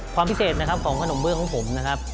ความพิเศษนะครับของขนมเบื้องของผมนะครับ